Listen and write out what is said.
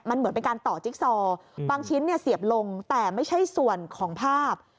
มันเหมือนเป็นการต่อจิ๊กซอบางชิ้นเนี่ยเสียบลงแต่ไม่ใช่ส่วนของภาพ